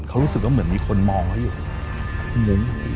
เขารู้สึกว่าเหมือนมีคนมองเขาอยู่มุ้ง